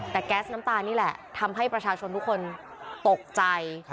แต่แก๊สน้ำตานี่แหละทำให้ประชาชนทุกคนตกใจ